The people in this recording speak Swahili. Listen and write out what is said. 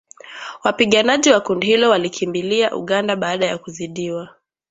Wapiganaji wa kundi hilo walikimbilia Uganda baada ya kuzidiwa